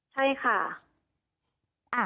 ใช่ค่ะ